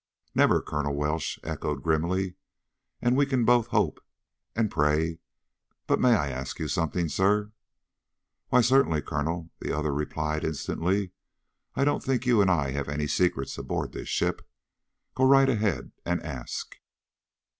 "Never!" Colonel Welsh echoed grimly. "And we can both hope, and pray. But may I ask you something, sir?" "Why, certainly, Colonel," the other replied instantly. "I don't think you and I have any secrets aboard this ship. Go right ahead and ask."